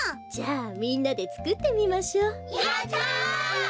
じゃあみんなでつくってみましょ。